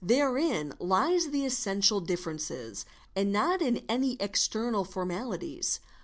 Therein lies the essential difference and not in any external formalities.